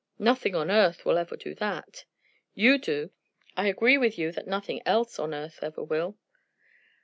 "Nothing on earth will ever do that." "You do. I agree with you that nothing else on earth ever will.